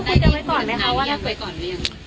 ได้คุยกันไว้ก่อนไหมคะว่าได้คุยกันไว้ก่อนหรือยัง